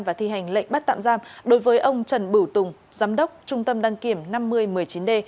và thi hành lệnh bắt tạm giam đối với ông trần bửu tùng giám đốc trung tâm đăng kiểm năm mươi một mươi chín d